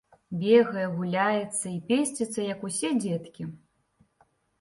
Бегае, гуляецца і песціцца, як усе дзеткі.